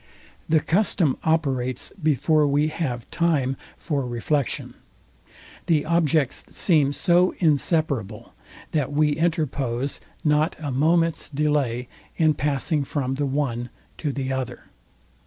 The custom operates before we have time for reflection. The objects seem so inseparable, that we interpose not a moment's delay in passing from the one to the other.